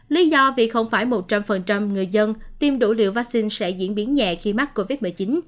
lý do vì không phải một trăm linh người dân tiêm đủ liều vaccine sẽ diễn biến nhẹ khi mắc covid một mươi chín